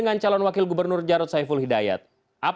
yang terakhir adalah pertanyaan dari anak muda